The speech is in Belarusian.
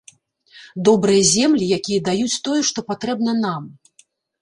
Добрыя землі, якія даюць тое, што патрэбна нам.